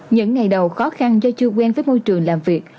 những ngày đầu khó khăn do chưa quen với môi trường làm việc